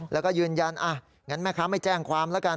แล้วก็ยืนยันงั้นแม่ค้าไม่แจ้งความแล้วกัน